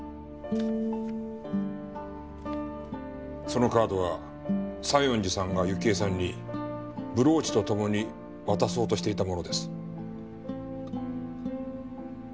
そのカードは西園寺さんが幸恵さんにブローチとともに渡そうとしていたものです。